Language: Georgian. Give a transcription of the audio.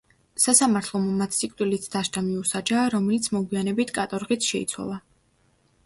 სასამართლომ მათ სიკვდილით დასჯა მიუსაჯა, რომელიც მოგვიანებით კატორღით შეიცვალა.